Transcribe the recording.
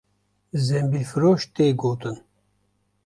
Zembîlfiroş tê gotin